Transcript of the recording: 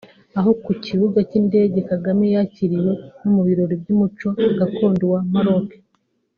Aho ku kibuga cy’indege Kagame yakiriwe no mu birori by’umuco gakondo wa Maroc